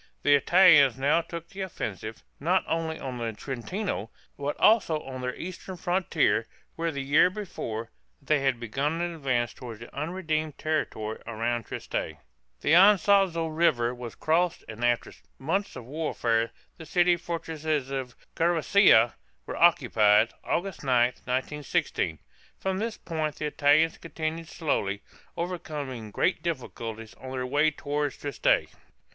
The Italians now took the offensive, not only on the Trentino, but also on their eastern frontier, where, the year before, they had begun an advance toward the "unredeemed" territory around Trieste (map, page 50). The Ison´zo River was crossed and after months of warfare the city and fortresses of Gorizia (go rît´sî a) were occupied (August 9, 1916). From this point the Italians continued slowly, overcoming great difficulties, on their way toward Trieste.